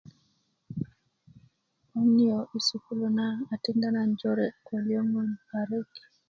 bgoŋ niyo i sukulu na a tikinda nan jore ko liyöŋön parik